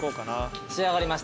仕上がりました。